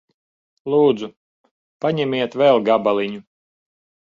Lūdzu. Paņemiet vēl gabaliņu.